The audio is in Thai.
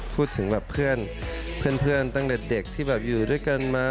พูดถึงแบบเพื่อนตั้งแต่เด็กที่แบบอยู่ด้วยกันมา